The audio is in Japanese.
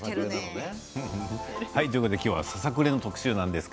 今日は、ささくれの特集です。